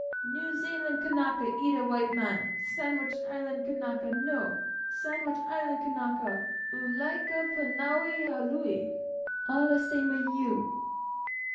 "New Zealand Kanaka eat white man; Sandwich Island Kanaka no. Sandwich Island Kanaka ua like pu na haole all 'e same a' you!"